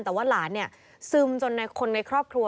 แต่ว่าหลานเนี่ยซึมจนคนในครอบครัว